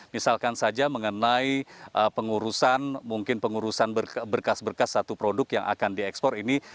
misalkan saja mengenai pengurusan mungkin pengurusan berkas berkas satu produk yang akan diekspor ini